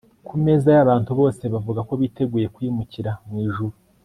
ku meza yabantu bose bavuga ko biteguye kwimukira mu ijuru